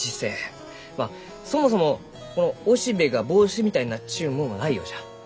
まあそもそもこの雄しべが帽子みたいになっちゅうもんはないようじゃ。